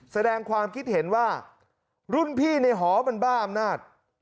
แสดงความคิดเห็นว่ารุ่นพี่ในหอมันบ้าอำนาจ